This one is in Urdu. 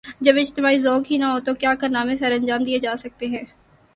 جب اجتماعی ذوق ہی نہ ہو تو کیا کارنامے سرانجام دئیے جا سکتے ہیں۔